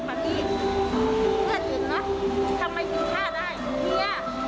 เรียนแล้วน่ะทำไมกันดีเนี่ย